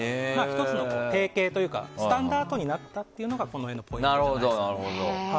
１つの定型というかスタンダードになったというのがこの絵のポイントです。